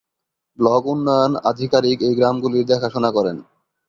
Block উন্নয়ন আধিকারিক এই গ্রামগুলির দেখাশোনা করেন।